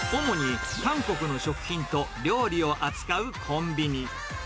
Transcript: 主に韓国の食品と料理を扱うコンビニ。